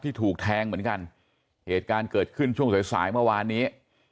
ถูกแทงเหมือนกันเหตุการณ์เกิดขึ้นช่วงสายสายเมื่อวานนี้